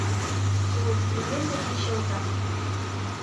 Ой, рвезе гай чылтак!